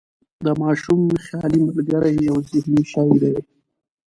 د ماشوم خیالي ملګری یو ذهني شی دی.